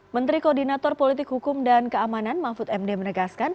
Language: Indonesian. menteri koordinator politik hukum dan keamanan mahfud md menegaskan